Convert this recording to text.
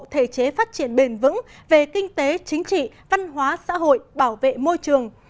thể chế phát triển bền vững về kinh tế chính trị văn hóa xã hội bảo vệ môi trường